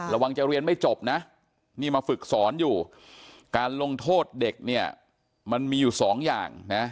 ระวังจะเรียนไม่จบนะนี่มาฝึกสอนอยู่การลงโทษเด็กเนี่ยมันมีอยู่สองอย่างนะ